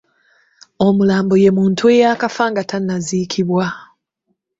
Omulambo ye muntu eyakafa nga tannaziikibwa.